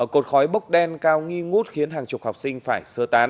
cột khói bốc đen cao nghi ngút khiến hàng chục học sinh phải sơ tán